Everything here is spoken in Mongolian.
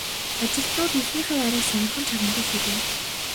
Ажилтнууд эзнийхээ яриаг сонирхон чагнадаг шүү дээ.